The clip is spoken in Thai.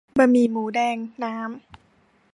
บะหมี่หมูแดง น้ำ